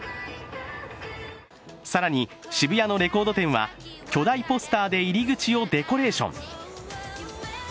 更に渋谷のレコード店は巨大ポスターで入り口をデコレーション。